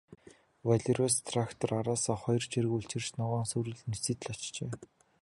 Белорусс трактор араасаа хоёр чиргүүл чирч, ногоон сүрэл нэвсийтэл ачжээ.